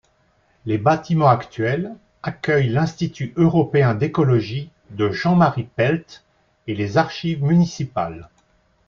Les bâtiments actuels accueillent l'Institut européen d’écologie de Jean-Marie Pelt et les archives municipales.